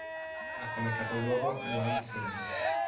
Ha come capoluogo Muang Sing.